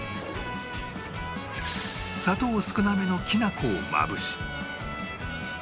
砂糖少なめのきな粉をまぶし